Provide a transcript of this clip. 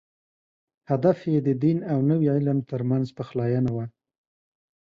هدف یې د دین او نوي علم تر منځ پخلاینه وه.